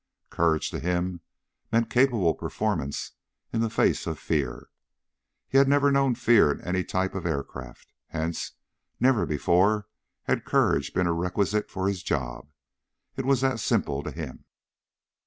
Courage, to him, meant capable performance in the face of fear. He had never known fear in any type of aircraft, hence never before had courage been a requisite of his job. It was that simple to him.